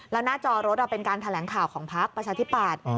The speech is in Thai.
แล้วหน้าจอรถเป็นการแถลงข่าวของพักประชาธิปัตย์